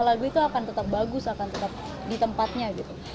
lagu itu akan tetap bagus akan tetap di tempatnya gitu